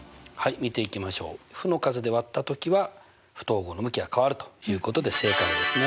負の数で割った時は不等号の向きは変わるということで正解ですね。